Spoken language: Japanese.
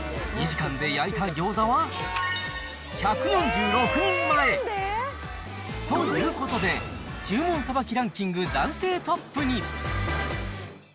２時間で焼いた餃子は１４６人前。ということで、注文さばきランキング暫定トップに。